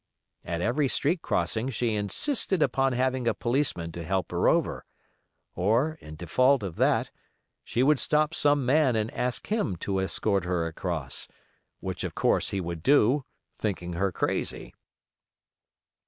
At every street crossing she insisted upon having a policeman to help her over, or, in default of that, she would stop some man and ask him to escort her across, which, of course, he would do, thinking her crazy.